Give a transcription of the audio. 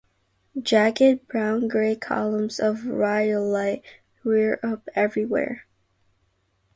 Jagged brown-grey columns of rhyolite rear up everywhere.